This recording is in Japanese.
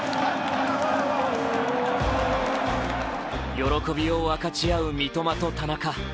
喜びを分かち合う三笘と田中。